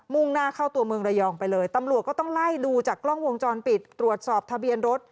มุ่งหน้าเข้าตัวเมืองระยองไปเลยตำรวจก็ต้องไล่ดูจากกล้องวงจรปิด